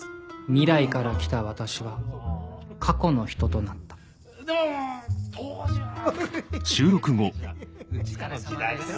未来から来た私は「過去の人」となったお疲れさまです。